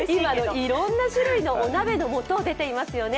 いろんな種類のお鍋の素が出ていますよね。